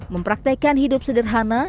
mempraktekan hidup sederhana